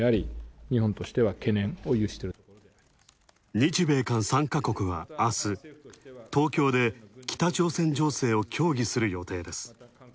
日米韓３か国はあす、東京で北朝鮮情勢を協議する予定です。